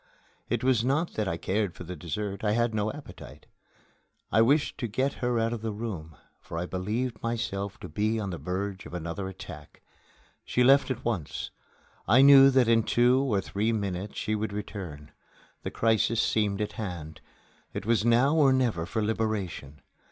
It was not that I cared for the dessert; I had no appetite. I wished to get her out of the room, for I believed myself to be on the verge of another attack. She left at once. I knew that in two or three minutes she would return. The crisis seemed at hand. It was now or never for liberation.